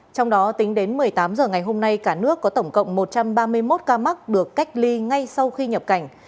trong đó tính đến một mươi tám h ngày hôm nay cả nước có tổng cộng một trăm ba mươi một ca mắc được cách ly ngay sau khi nhập cảnh